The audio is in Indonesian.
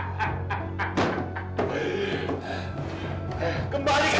kalau orang suka muji